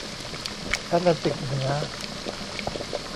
แอตแลนติกเหนือ